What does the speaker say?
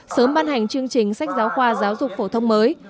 sớm ban hành chương trình sách giáo khoa giáo dục phổ thông mới